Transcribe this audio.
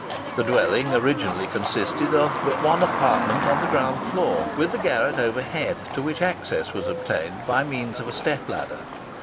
The dwelling originally consisted of but one apartment on the ground floor, with the garret over head, to which access was obtained by means of a step ladder.